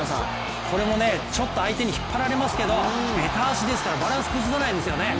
これもちょっと相手に引っ張られますけど、べた足ですからバランス崩さないんですよね。